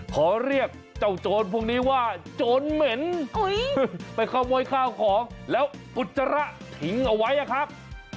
ขอเรียกเจ้าโจรพวกนี้ว่าโจรเหม็นไปขโมยข้าวของแล้วอุจจาระทิ้งเอาไว้อะครับ